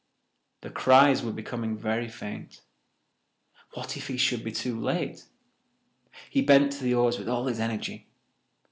The cries were becoming very faint. What if he should be too late? He bent to the oars with all his energy.